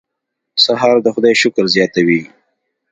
سهار د خدای شکر زیاتوي.